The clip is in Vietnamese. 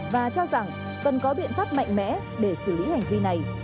và cho rằng cần có biện pháp mạnh mẽ để xử lý hành vi này